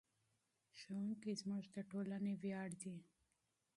ښوونکي زموږ د ټولنې ویاړ دي.